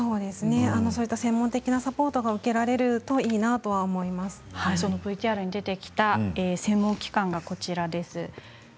そうした専門的なサポートが受けられるといいなＶＴＲに出てきた専門機関がこちらです。